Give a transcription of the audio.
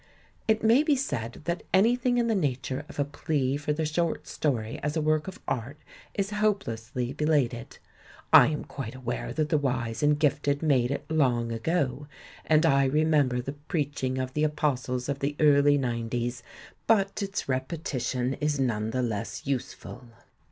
It may be said that anything in the nature of a plea for the short story as a work of art is hope lessly belated — I am quite aware that the wise and gifted made it long ago, and I remember the preaching of the apostles of the early 'nine ties — but its repetition is none the less useful.